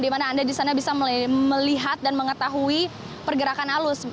di mana anda di sana bisa melihat dan mengetahui pergerakan arus